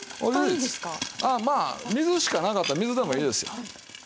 まあ水しかなかったら水でもいいですよ。